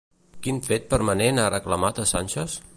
Quin fet permanent ha reclamat a Sánchez?